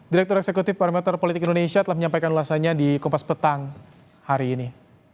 direktur eksekutif parameter politik indonesia telah menyampaikan ulasannya di kompas petang hari ini